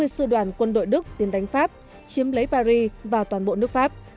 năm mươi sư đoàn quân đội đức tiến đánh pháp chiếm lấy paris và toàn bộ nước pháp